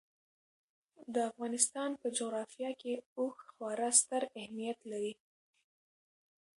د افغانستان په جغرافیه کې اوښ خورا ستر اهمیت لري.